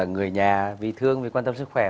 người nhà vì thương quan tâm sức khỏe